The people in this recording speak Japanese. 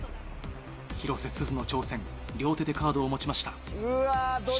広瀬すずの挑戦両手でカードを持ちました。